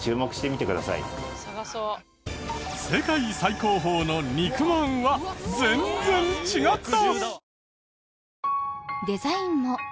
世界最高峰の肉まんは全然違った！